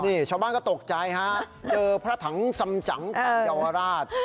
นี่ชาวบ้านก็ตกใจฮะเจอพระถังสำจังของเยาวราช